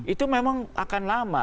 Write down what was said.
itu memang akan lama